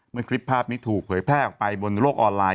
คลิปภาพนี้ถูกเผยแพร่ออกไปบนโลกออนไลน